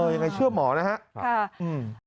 ยังไงเชื่อหมอนะฮะค่ะอืม